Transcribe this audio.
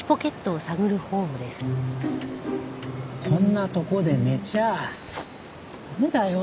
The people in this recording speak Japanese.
こんなとこで寝ちゃ駄目だよ